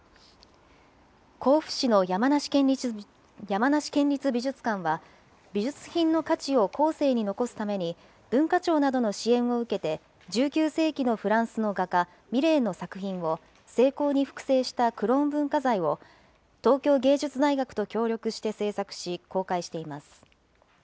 甲府市の山梨県立美術館は美術品の価値を後世に残すために、文化庁などの支援を受けて１９世紀のフランスの画家、ミレーの作品を精巧に複製したクローン文化財を、東京芸術大学と協力して制作し、公開しています。